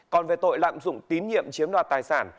còn về tội lạm dụng tín nhiệm chiếm đoạt tài sản